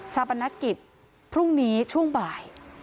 ปนกิจพรุ่งนี้ช่วงบ่าย